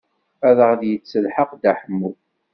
Ad aɣ-d-yettelḥaq Dda Ḥemmu.